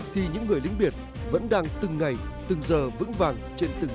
thì những người lính biển vẫn đang từng ngày từng giờ vững vàng